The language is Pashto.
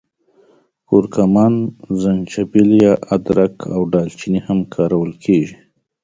کورکمن، زنجبیل یا ادرک او دال چیني هم کارول کېږي.